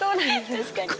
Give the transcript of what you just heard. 確かに。